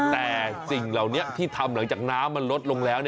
แต่สิ่งเหล่านี้ที่ทำหลังจากน้ำมันลดลงแล้ว